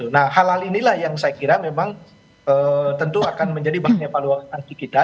nah hal ini lah yang saya kira memang tentu akan menjadi bahannya peluang nanti kita